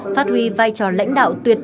phát huy vai trò lãnh đạo tuyệt độc